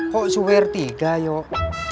kok swear tiga yuk